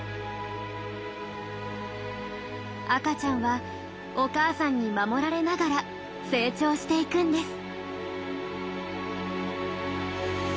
赤ちゃんはお母さんに守られながら成長していくんです。